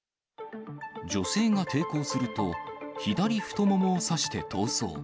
女性が抵抗すると、左太ももを刺して逃走。